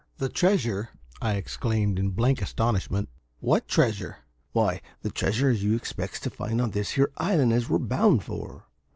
"The treasure?" I exclaimed in blank astonishment. "What treasure?" "Why, the treasure as you expects to find on this here island as we're bound for.